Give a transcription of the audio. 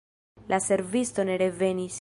La servisto ne revenis.